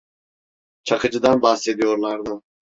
Çakıcıdan bahsediyorlardı.